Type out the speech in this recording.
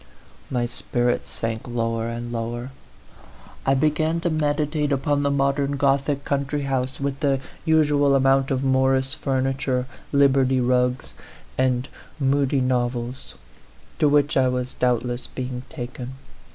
My spirits sank lower and lower. I be gan to meditate upon the modern Gothic country house, with the usual amount of Morris furniture, Liberty rugs, and Mudie novels, to which I was doubtless being taken.